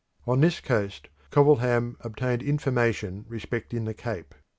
On this coast Covilham obtained in formation respecting the Cape.